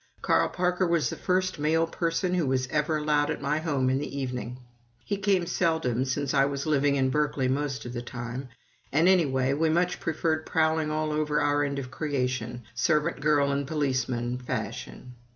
Carl Parker was the first male person who was ever allowed at my home in the evening. He came seldom, since I was living in Berkeley most of the time, and anyway, we much preferred prowling all over our end of creation, servant girl and policeman fashion.